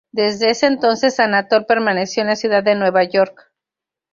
Desde ese entonces, Anatol permaneció en la ciudad de Nueva York.